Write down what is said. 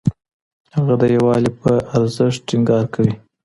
هغه د يووالي پر ارزښت ټينګار کوي.